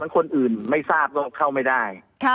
คนอื่นไม่ทราบก็เข้าไม่ได้